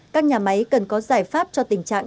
các nhà máy cần có giải pháp cho tình trạng